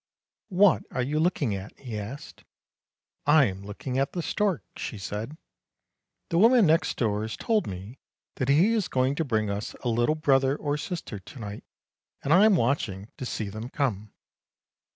"' What are you looking at? ' he asked. "' I am looking at the stork,' she said; ' the woman next door has told me that he is going to bring us a little brother or sister to night, and I am watching to see them come.'